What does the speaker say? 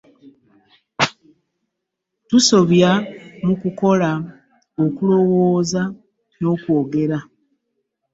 Tusobya mu kukola, okulowooza n'okwogera.